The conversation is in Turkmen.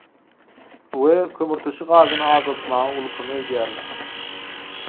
we kömürturşy gazyny azaltmaga uly kömek edýärler.